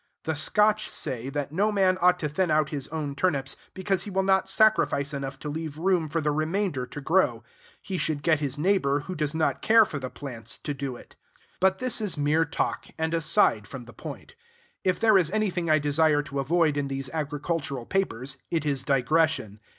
The Scotch say, that no man ought to thin out his own turnips, because he will not sacrifice enough to leave room for the remainder to grow: he should get his neighbor, who does not care for the plants, to do it. But this is mere talk, and aside from the point: if there is anything I desire to avoid in these agricultural papers, it is digression.